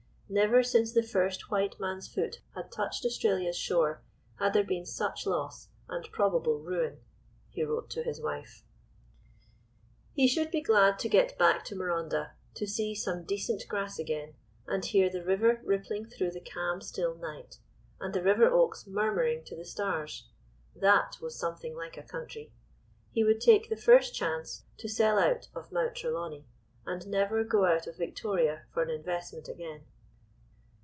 Never since the first white man's foot had touched Australia's shore, had there been such loss, and probable ruin (he wrote to his wife). He should be glad to get back to Marondah, to see some decent grass again, and hear the river rippling through the calm still night, and the river oaks murmuring to the stars. That was something like a country. He would take the first chance to sell out of Mount Trelawney, and never go out of Victoria for an investment again.